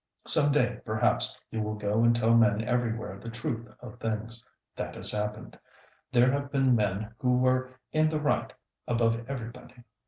Some day, perhaps, you will go and tell men everywhere the truth of things. That has happened. There have been men who were in the right, above everybody.